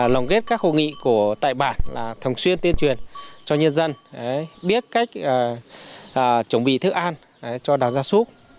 lồng ghép các hội nghị tại bảng thông xuyên tuyên truyền cho nhân dân biết cách chuẩn bị thức ăn cho đàn gia súc